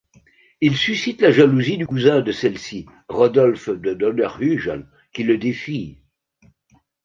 Il suscite la jalousie du cousin de celle-ci, Rodolphe de Donnerhugel, qui le défie.